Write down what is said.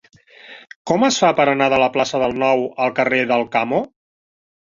Com es fa per anar de la plaça del Nou al carrer d'Alcamo?